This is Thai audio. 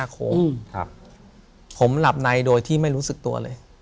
ผมหลับในโดยที่ไม่รู้สึกตัวเลย